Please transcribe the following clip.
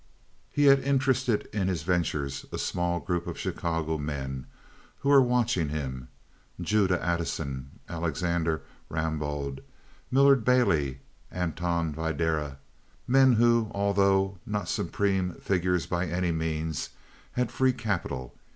He had interested in his ventures a small group of Chicago men who were watching him—Judah Addison, Alexander Rambaud, Millard Bailey, Anton Videra—men who, although not supreme figures by any means, had free capital.